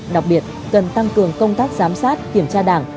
đặc biệt cần tăng cường công tác giám sát kiểm tra đảng